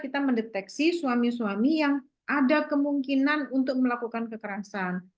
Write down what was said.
kita mendeteksi suami suami yang ada kemungkinan untuk melakukan kekerasan